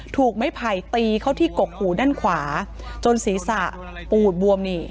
ถูกไม้ไผ่ตีเข้าที่กกหูด้านขวาจนศีรษะปูดบวมนี่